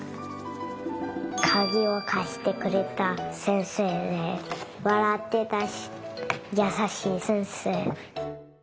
かぎをかしてくれた先生でわらってたしやさしい先生。